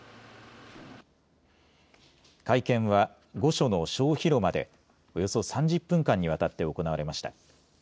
会見は御所の小広間でおよそ３０分間にわたって行われました。